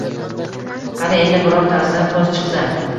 Qani endi birortasidan so`z chiqsa